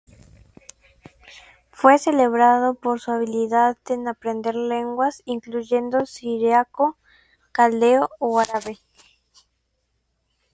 Fue celebrado por su habilidad en aprender lenguas, incluyendo siríaco, caldeo, o árabe.